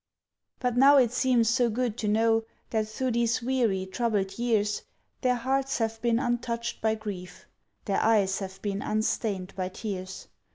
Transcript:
"But now it seems so good to know That through these weary, troubled years Their hearts have been untouched by grief, Their eyes have been unstained by tears.